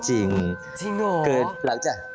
จริงเหรอ